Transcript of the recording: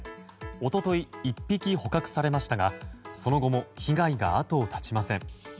一昨日、１匹捕獲されましたがその後も被害が後を絶ちません。